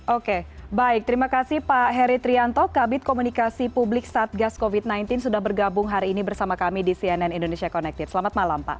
oke baik terima kasih pak heri trianto kabit komunikasi publik satgas covid sembilan belas sudah bergabung hari ini bersama kami di cnn indonesia connected selamat malam pak